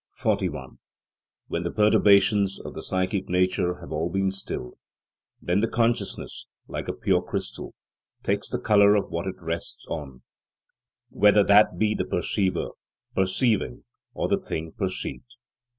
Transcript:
41. When the perturbations of the psychic nature have all been stilled, then the consciousness, like a pure crystal, takes the colour of what it rests on, whether that be the perceiver, perceiving, or the thing perceived.